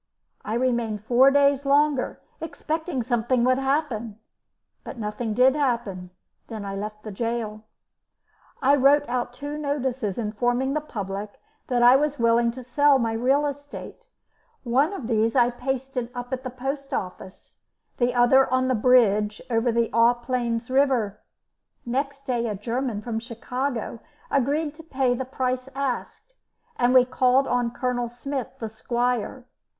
I remained four days longer, expecting something would happen; but nothing did happen, then I left the gaol. I wrote out two notices informing the public that I was willing to sell my real estate; one of these I pasted up at the Post Office, the other on the bridge over the Aux Plaines River. Next day a German from Chicago agreed to pay the price asked, and we called on Colonel Smith, the Squire.